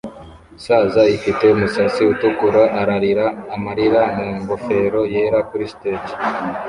Saza ifite umusatsi utukura ararira amarira mu ngofero yera kuri stage